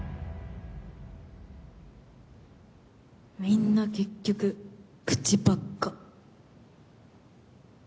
みんな結局口ばっか。